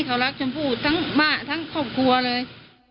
เขารักชมพู่ทั้งม่าทั้งครอบครัวเลย